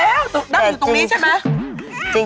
เด้าอยู่ตรงนี้ใช่ไหม